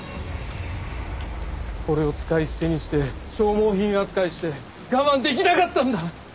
俺を使い捨てにして消耗品扱いして我慢できなかったんだ！